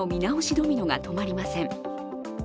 ドミノが止まりません。